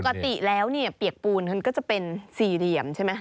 ปกติแล้วเนี่ยเปียกปูนมันก็จะเป็นสี่เหลี่ยมใช่ไหม